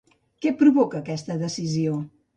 Què provoca aquesta decisió?